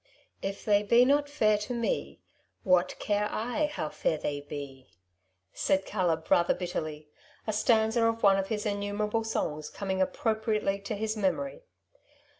" If they be not fair to me, What care I how fair they be ?— said Caleb, rather bitterly, a stanza of one of his innumerable songs coming appropriately to his memory.